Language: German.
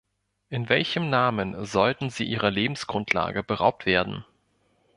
In welchem Namen sollten sie ihrer Lebensgrundlage beraubt werden?